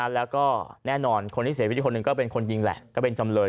แล้วก็แน่นอนคนที่เสียชีวิตคนหนึ่งก็เป็นคนยิงแหละก็เป็นจำเลย